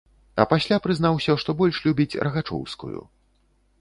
А пасля прызнаўся, што больш любіць рагачоўскую.